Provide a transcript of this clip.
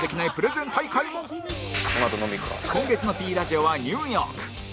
今月の Ｐ ラジオはニューヨーク